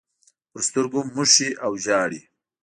پر سترګو موښي او ژاړي.